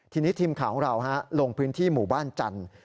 ทีนี้ทีมข่าวของเราลงพื้นที่หมู่บ้านจันทร์